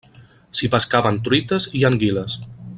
S'hi pescaven truites i anguiles.